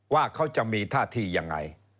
ว่าเขาจะมีท่าทียังไง